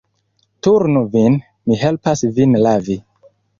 Turnu vin, mi helpas vin lavi.